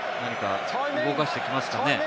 動かしてきますかね？